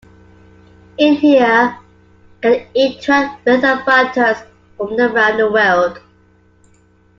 In here you can interact with avatars from around the world.